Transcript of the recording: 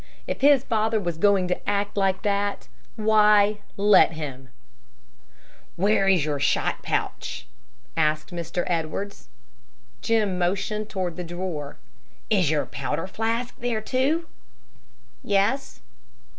If his father was going to act like that, why, let him "Where is your shot pouch?" asked Mr. Edwards. Jim motioned toward the drawer. "Is your powder flask there, too?" "Yes."